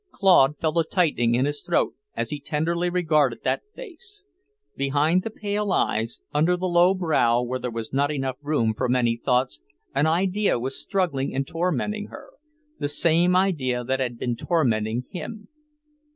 Claude felt a tightening in his throat as he tenderly regarded that face; behind the pale eyes, under the low brow where there was not room for many thoughts, an idea was struggling and tormenting her. The same idea that had been tormenting him.